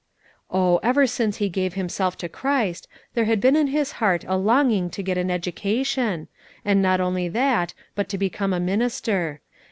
Oh, ever since he gave himself to Christ, there had been in his heart a longing to get an education, and not only that, but to become a minister.